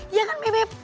iya kan bebe